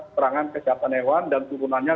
serangan kesehatan hewan dan turunannya